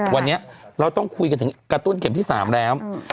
วันนี้เราต้องคุยกันถึงกระตุ้นเข็มที่๓แล้ว